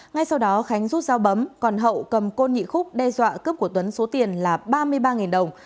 ngay sau đó khánh rút dao bấm còn hậu cầm côn nhị khúc đe dọa cướp của tuấn số tiền là ba mươi ba đồng